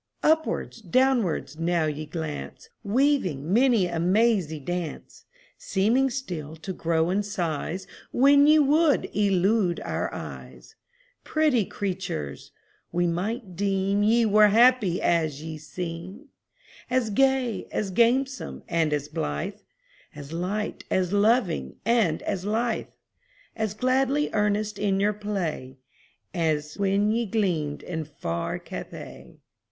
Upwards, downwards, now ye glance, Weaving many a mazy dance; Seeming still to grow in size When ye would elude our eyes Pretty creatures! we might deem Ye were happy as ye seem As gay, as gamesome, and as blithe, As light, as loving, and as lithe, As gladly earnest in your play, As when ye gleamed in far Cathay.